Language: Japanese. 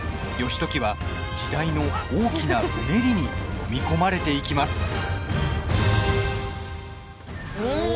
義時は時代の大きなうねりにのみ込まれていきます。